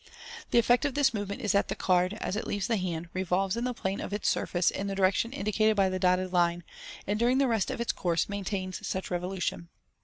The effect of this movement is that the card, as it leaves the hand, revolves in the plane of its surface in the direction indicated by the dotted line, and MODERN MAGIC. 39 during the rest of its course maintains such revolution.